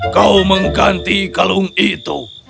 kau mengganti kalung itu